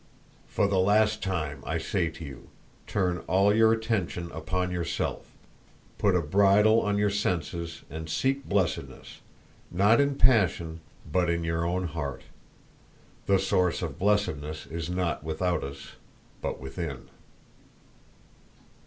"For the last time I say to you—turn all your attention upon yourself, put a bridle on your senses, and seek blessedness, not in passion but in your own heart. The source of blessedness is not without us but within...."